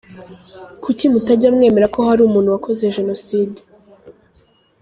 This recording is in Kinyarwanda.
Kuki mutajya mwemera ko hari umuntu wakoze jenoside??